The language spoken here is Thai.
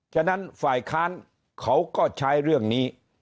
ฉะนั้นฝ่ายค้านเขาก็ใช้เรื่องนี้